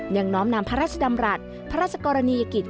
น้อมนำพระราชดำรัฐพระราชกรณียกิจ